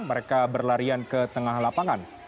mereka berlarian ke tengah lapangan